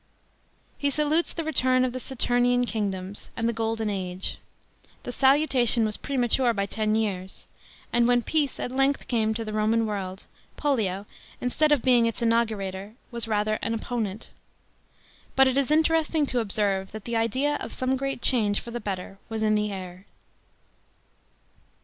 He salutes the ret irn of the " Saturnian kingdoms" and the golden age.* The salutation was premature by ten years; and when peace at length came to the Roman world, Pollio, instead of being its inaugurator, was rather an opponent. But it is interesting to observe, that the idea of some great change for the better was in the air.